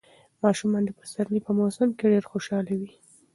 ماشومان د پسرلي په موسم کې ډېر خوشاله وي.